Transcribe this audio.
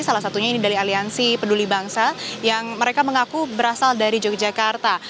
salah satunya ini dari aliansi peduli bangsa yang mereka mengaku berasal dari yogyakarta